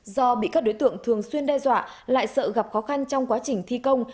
do bị các đối tượng thường xuyên đe dọa lại sợ gặp khó khăn trong quá trình thi công